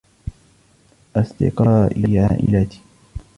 أصدقائي عائلتي.